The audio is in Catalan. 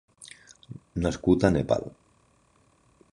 Nascut a Nepal.